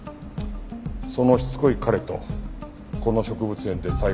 そのしつこい彼とこの植物園で再会した。